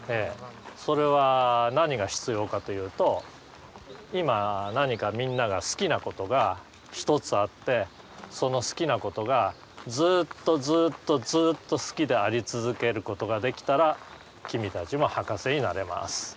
それは何が必要かというと今何かみんなが好きなことが一つあってその好きなことがずっとずっとずっと好きであり続けることができたら君たちもハカセになれます。